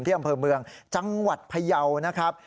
อำเภอเมืองจังหวัดพยาวนะครับ